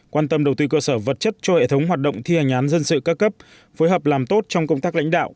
quan tâm đầu tư cơ sở vật chất cho hệ thống hoạt động thi hành án dân sự ca cấp phối hợp làm tốt trong công tác lãnh đạo